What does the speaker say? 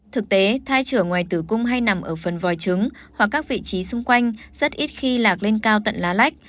thực tế thai trở ngoài tử cung hay nằm ở phần vòi trứng hoặc các vị trí xung quanh rất ít khi lạc lên cao tận lách